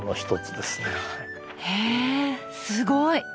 へぇすごい！